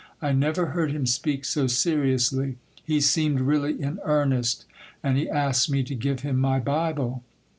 I never heard him speak so seriously; he seemed really in earnest, and he asked me to give him my Bible.